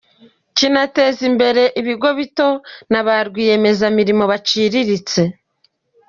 Kinateza imbere ibigo bito nab a rwiyemezamirimo baciriritse.